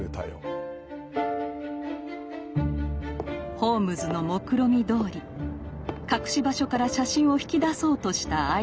ホームズのもくろみどおり隠し場所から写真を引き出そうとしたアイリーン。